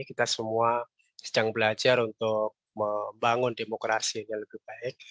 kita semua sedang belajar untuk membangun demokrasi yang lebih baik